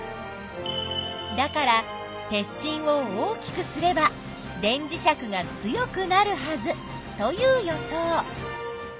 だから鉄しんを大きくすれば電磁石が強くなるはずという予想。